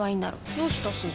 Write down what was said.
どうしたすず？